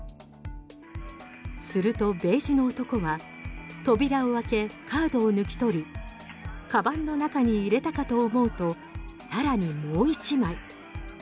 するとベージュの男は扉を開けカードを抜き取りカバンの中に入れたかと思うと更にもう１枚。